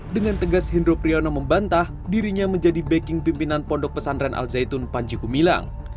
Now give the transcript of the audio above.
dengan tegas hendro priyono membantah dirinya menjadi backing pimpinan pondok pesantren al zaitun panji gumilang